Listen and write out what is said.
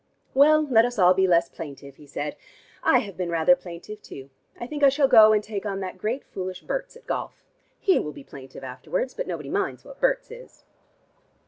"Well, let us all be less plaintive," he said. "I have been rather plaintive too. I think I shall go and take on that great foolish Berts at golf. He will be plaintive afterwards, but nobody minds what Berts is."